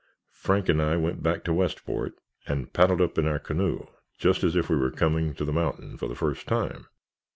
—Frank and I went back to Westport, and paddled up in our canoe, just as if we were coming to the mountain for the first time.